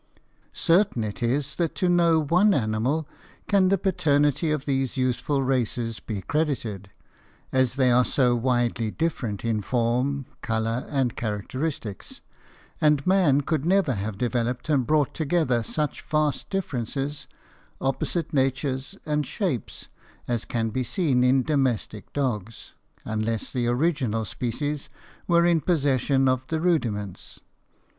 Certain it is that to no one animal can the paternity of these useful races be credited, as they are so widely different in form, color, and characteristics, and man could never have developed and brought together such vast differences, opposite natures and shapes, as can be seen in domestic dogs, unless the original species were in possession of the rudiments.